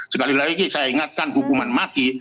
sekali lagi saya ingatkan hukuman mati